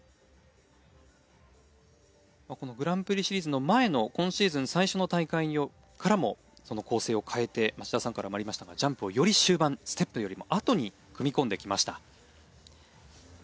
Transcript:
このグランプリシリーズの前の今シーズン最初の大会からもこの構成を変えて町田さんからもありましたがジャンプをより終盤ステップよりもあとに組み込んできました。